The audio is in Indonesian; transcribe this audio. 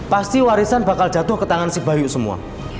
pasti warisan bakal jatuh ke tangan si bayu semua